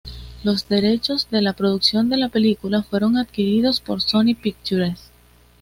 Los derechos de la producción de la película fueron adquiridos por Sony Pictures.